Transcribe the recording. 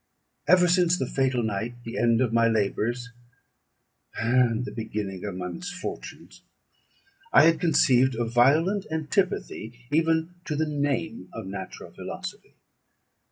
Ever since the fatal night, the end of my labours, and the beginning of my misfortunes, I had conceived a violent antipathy even to the name of natural philosophy.